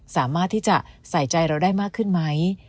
สามารถที่จะใส่ใจเราได้มากขึ้นไหม